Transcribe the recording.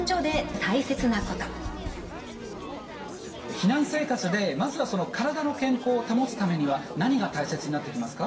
避難生活でまずは体の健康を保つためには何が大切になってきますか？